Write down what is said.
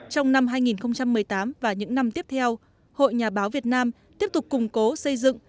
trong năm hai nghìn một mươi tám và những năm tiếp theo hội nhà báo việt nam tiếp tục củng cố xây dựng